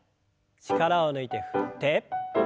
力を抜いて振って。